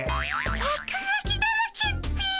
落書きだらけっピ。